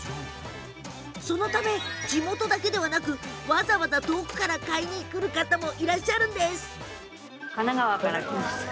そのために地元だけではなくわざわざ遠くから買いにいらっしゃる方も。